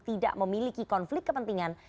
tidak memiliki konflik kepentingan